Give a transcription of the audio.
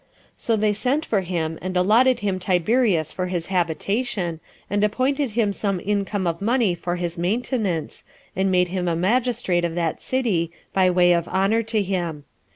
So they sent for him, and allotted him Tiberias for his habitation, and appointed him some income of money for his maintenance, and made him a magistrate of that city, by way of honor to him.